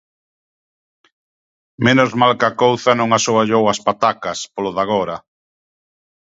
Menos mal que a couza non asoballou as patacas, polo de agora.